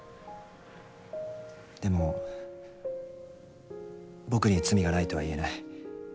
でも僕に罪がないとは言えない。